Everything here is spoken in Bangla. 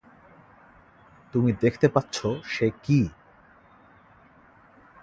তুমি দেখতে পাচ্ছ সে কি!